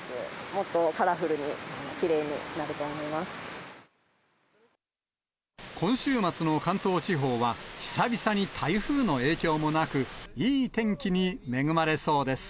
もっとカラフルに、きれいになる今週末の関東地方は、久々に台風の影響もなく、いい天気に恵まれそうです。